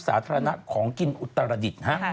สาธารณะของกินอุตรดิษฐ์ฮะ